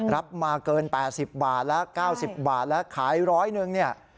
รับมาเกิน๘๐บาทแล้ว๙๐บาทแล้วขายร้อยหนึ่งเนี่ย